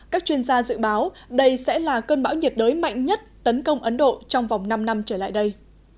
các chuyên gia dự báo đây sẽ là cơn bão nhiệt đới mạnh nhất tấn công ấn độ trong vòng năm năm trở lại đây